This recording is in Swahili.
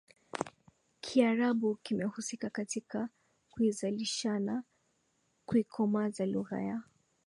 Kiarabu kimehusika katika kuizalishana kuikomaza lugha ya